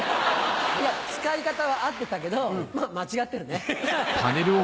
いや使い方は合ってたけどまぁ間違ってるね。